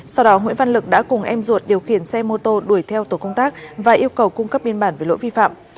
sau đó nguyễn văn lực đã cùng em ruột điều khiển xe mô tô đuổi theo tổ công tác và yêu cầu cung cấp biên bản về lỗi vi phạm